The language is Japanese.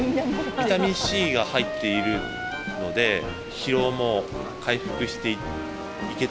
ビタミンＣが入っているので疲労も回復していけたらなという。